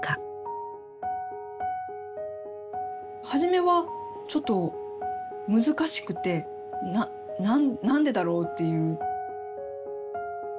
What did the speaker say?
初めはちょっと難しくて何でだろうっていう。